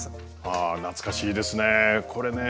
あ懐かしいですね。